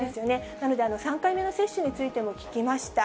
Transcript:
なので３回目の接種についても聞きました。